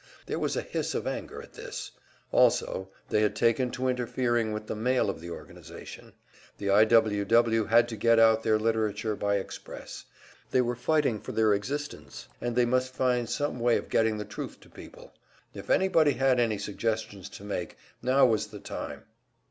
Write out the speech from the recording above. There was a hiss of anger at this. Also, they had taken to interfering with the mail of the organization; the I. W. W. were having to get out their literature by express. They were fighting for their existence, and they must find some way of getting the truth to people. If anybody had any suggestions to make, now was the time.